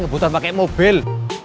ngebutan pake mobil